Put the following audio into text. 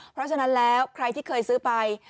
เพราะฉะนั้นแล้วใครที่เคยซื้อไป